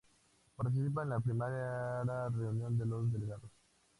Participa en la primera reunión de delegados.